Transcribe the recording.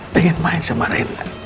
pengen main sama rena